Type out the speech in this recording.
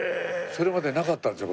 それまでなかったんですよ